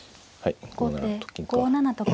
後手５七と金。